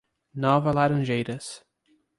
Nova Laranjeiras